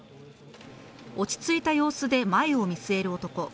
落ち着いた様子で前を見据える男。